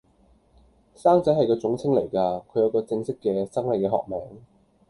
生仔係個總稱嚟噶，佢有個正式嘅、生理嘅學名